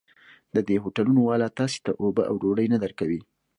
د دې هوټلونو والا تاسې ته اوبه او ډوډۍ نه درکوي.